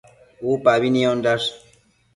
Upabi niondash